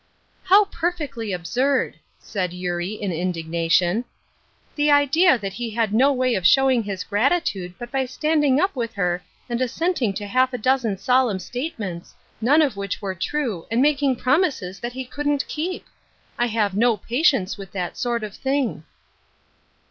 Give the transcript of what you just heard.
" How perfectly absurd !" said Eurie, in indignation. " The idea that he had no way of showing his gratitude but by standing up Avith her, and assenting to half a dozen solemn state ments, none of which were true, and making promises that he couldn't keep! I have no patience with that sort of thing.''